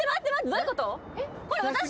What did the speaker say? どういうこと？